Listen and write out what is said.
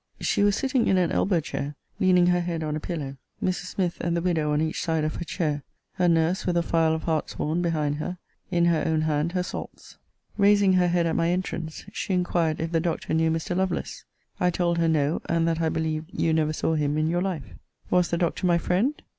She was sitting in an elbow chair, leaning her head on a pillow; Mrs. Smith and the widow on each side her chair; her nurse, with a phial of hartshorn, behind her; in her own hand her salts. Raising her head at my entrance, she inquired if the Doctor knew Mr. Lovelace. I told her no; and that I believed you never saw him in your life. Was the Doctor my friend?